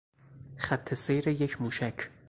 خط سیر یک موشک